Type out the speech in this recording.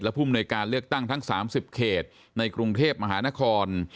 ภูมิหน่วยการเลือกตั้งทั้ง๓๐เขตในกรุงเทพมหานคร